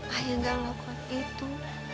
ayah gak lho kok itu